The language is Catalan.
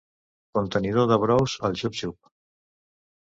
Contenidor de brous al xup xup.